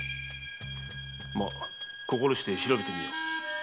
心して調べてみよ。